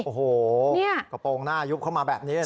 โอ้โหกระโปรงหน้ายุบเข้ามาแบบนี้